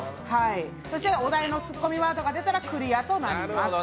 そしてお題のツッコミワードが出たらクリアとなります。